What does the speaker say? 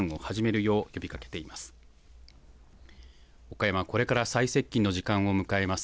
岡山は、これから最接近の時間を迎えます。